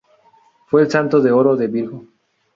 Fue el Santo de oro de Virgo.